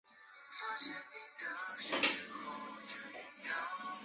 它们首先被注意到没有可见光天体能与些电波源对应。